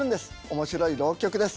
面白い浪曲です。